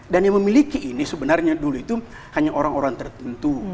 dan yang memiliki ini sebenarnya dulu itu hanya orang orang tertentu